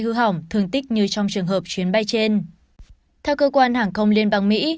hư hỏng thương tích như trong trường hợp chuyến bay trên theo cơ quan hàng không liên bang mỹ